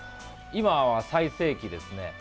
今は最盛期ですね。